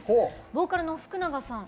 ボーカルの福永さん